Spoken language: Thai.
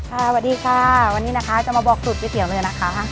สวัสดีค่ะวันนี้นะคะจะมาบอกสูตรก๋วเตี๋ยเลยนะคะ